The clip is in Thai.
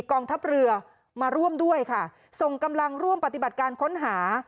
กองทัพเรือมาร่วมด้วยค่ะส่งกำลังร่วมปฏิบัติการค้นหา